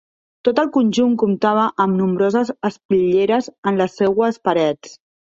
Tot el conjunt comptava amb nombroses espitlleres en les seues parets.